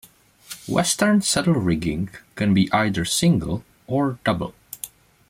Western saddle rigging can be either single or double.